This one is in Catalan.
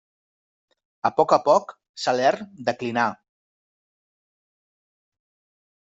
A poc a poc Salern declinà.